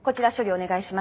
お願いします。